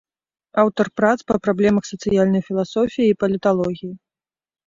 Аўтар прац па праблемах сацыяльнай філасофіі і паліталогіі.